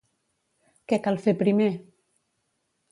Què cal fer primer?